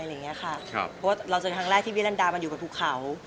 เพราะว่าเราเจอครั้งแรกที่พี่รันดามันอยู่กับภูเขา